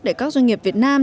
để các doanh nghiệp việt nam